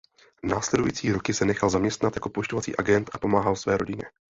Následující roky se nechal zaměstnat jako pojišťovací agent a pomáhal své rodině.